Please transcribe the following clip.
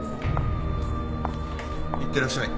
いってらっしゃい。